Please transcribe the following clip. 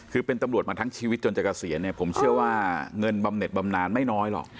คือเป็นตำรวจมาทั้งชีวิตจนจะเกษียณเนี่ยผมเชื่อว่าเงินบำเน็ตบำนานไม่น้อยหรอก